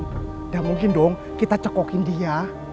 tidak mungkin dong kita cekokin dia